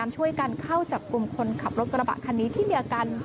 ช่วยกันเข้าจับกลุ่มคนขับรถกระบะคันนี้ที่มีอาการ